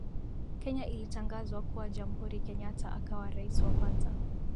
Kenya ilitangazwa kuwa jamhuri Kenyatta akawa rais wa kwanza